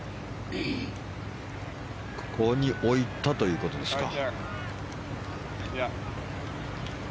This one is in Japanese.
ここに置いたということですか。